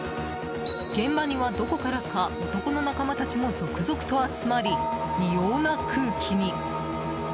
現場には、どこからか男の仲間たちも続々と集まり異様な空気に。